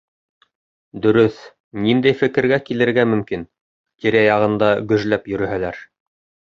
Дөрөҫ, ниндәй фекергә килергә мөмкин, тирә-яғында гөжләп йөрөһәләр.